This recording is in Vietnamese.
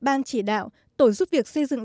ban chỉ đạo tổn giúp việc xây dựng